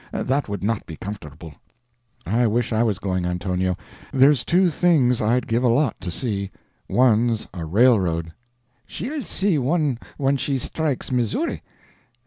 That would not be comfortable." "I wish I was going, Antonio. There's two things I'd give a lot to see. One's a railroad." "She'll see one when she strikes Missouri."